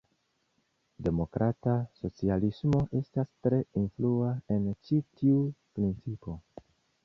Demokrata socialismo estas tre influa en ĉi tiu principo.